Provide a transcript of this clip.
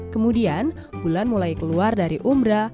kemudian bulan mulai keluar dari umbra